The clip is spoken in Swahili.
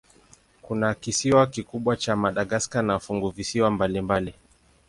Kuna kisiwa kikubwa cha Madagaska na funguvisiwa mbalimbali.